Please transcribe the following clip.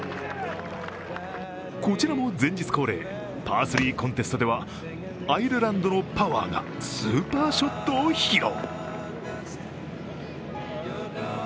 こちらも前日恒例、パースリー・コンテストではアイルランドのパワーがスーパーショットを披露。